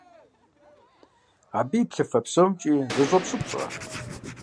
Абы и плъыфэ псомкӀи зэщӀопщӀыпщӀэ.